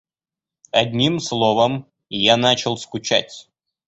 Одним словом, я начал скучать.